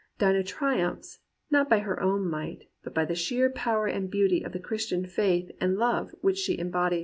Dinah triumphs, not by her own might, but by the sheer power and beauty of the Christian faith and love which she embodies.